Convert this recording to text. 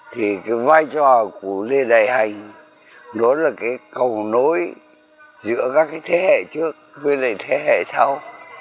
thì cái vai trò của lê đại hành nó là cái cầu nối giữa các cái thế hệ trước với lại thế hệ sau